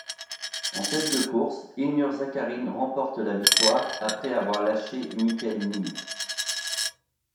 En tête de course, Ilnur Zakarin remporte la victoire après avoir lâché Mikel Nieve.